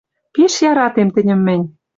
Пиш яратем тӹньӹм мӹнь.